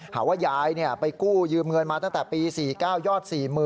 หาว่ายายไปกู้ยืมเงินมาตั้งแต่ปี๔๙ยอด๔๐๐๐